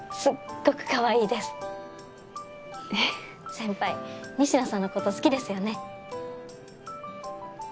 先輩仁科さんのこと好きですよね？